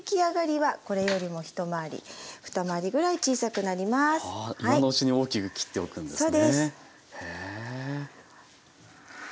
はあ今のうちに大きく切っておくんですね。